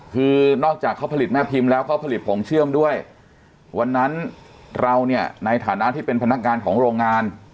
คือนอกจากเขาผลิตแม่พิมพ์แล้วเขาผลิตผงเชื่อมด้วยวันนั้นเราเนี่ยในฐานะที่เป็นพนักงานของโรงงาน